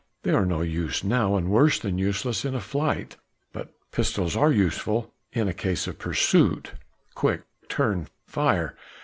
They are no use now and worse than useless in a flight. But pistols are useful, in case of pursuit. "Quick, turn, fire!...